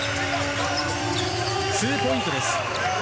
ツーポイントです。